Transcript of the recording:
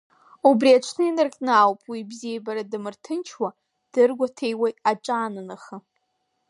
Убри аҽны инаркны ауп уи ибзиабара дамырҭынчуа, дыргәаҭеиуа аҿанаанаха.